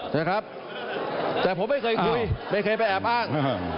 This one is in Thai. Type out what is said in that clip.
แต่ผมไม่เคยคุยไม่เคยไปแอบอ้าง